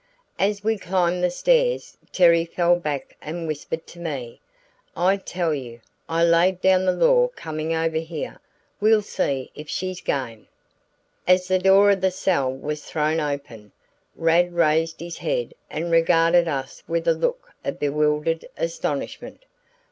As we climbed the stairs Terry fell back and whispered to me, "I tell you, I laid down the law coming over; we'll see if she's game." As the door of the cell was thrown open, Rad raised his head and regarded us with a look of bewildered astonishment.